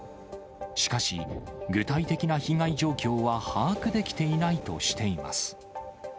しかし、具体的な被害状況は把握できていないとしています。